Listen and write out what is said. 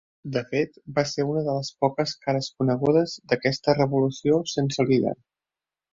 De fet, va ser una de les poques cares conegudes d'aquesta revolució sense líder.